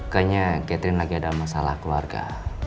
kayaknya catherine lagi ada masalah keluarga